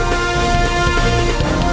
con giống xấu sour